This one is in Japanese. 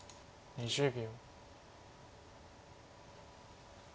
２０秒。